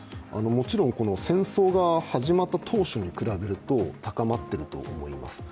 もちろん戦争が始まった当初に比べると高まっていると思います。